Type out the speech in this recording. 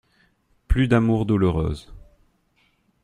Plus d'amours douloureuses.